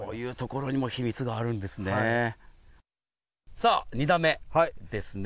さあ、２打目ですね。